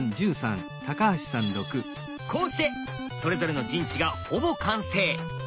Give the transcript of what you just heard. こうしてそれぞれの陣地がほぼ完成。